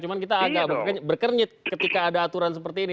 cuma kita agak berkernyit ketika ada aturan seperti ini